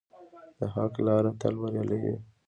د حق لاره تل بریالۍ وي.